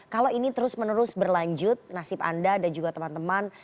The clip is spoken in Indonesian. kalau ini terus menerus berlanjut nasib anda dan juga teman teman